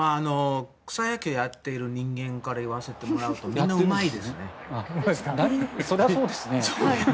草野球をやっている人間から言わせてもらうとそりゃそうですね。